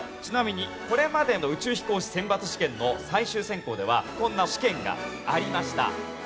ちなみにこれまでの宇宙飛行士選抜試験の最終選考ではこんな試験がありました。